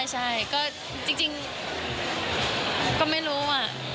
ใช่ก็จริงก็ไม่รู้